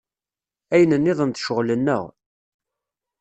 Ayen nniḍen d ccɣel-nneɣ.